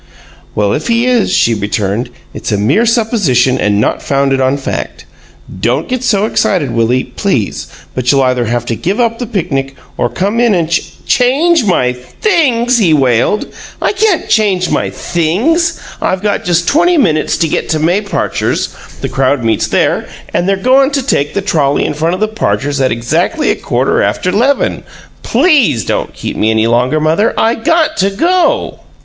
"Well, if he is," she returned, "it's a mere supposition and not founded on fact. Don't get so excited, Willie, please; but you'll either have to give up the picnic or come in and ch " "Change my 'things'!" he wailed. "I can't change my 'things'! I've got just twenty minutes to get to May Parcher's the crowd meets there, and they're goin' to take the trolley in front the Parchers' at exactly a quarter after 'leven. PLEASE don't keep me any longer, mother I GOT to go!"